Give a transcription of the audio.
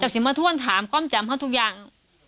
แต่ก็ดูเมื่อทุกคนถามเขาจำเขาทุกอย่าง